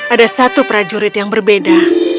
ada satu prajurit yang berbeda